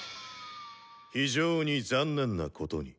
非常に残念なことに。